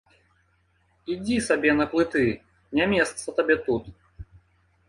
Ідзі сабе на плыты, не месца табе тут.